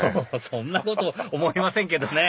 そんなこと思いませんけどね